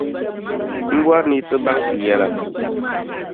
m bɔri ni yi ti baŋ ti yɛla.